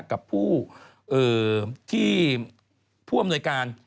กับผู้ที่ผู้อำนวยการ